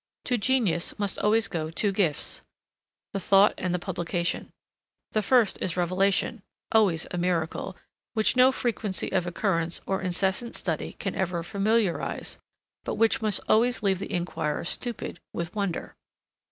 To genius must always go two gifts, the thought and the publication. The first is revelation, always a miracle, which no frequency of occurrence or incessant study can ever familiarize, but which must always leave the inquirer stupid with wonder.